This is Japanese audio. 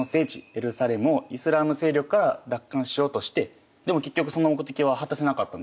エルサレムをイスラーム勢力から奪還しようとしてでも結局その目的は果たせなかったんですよね。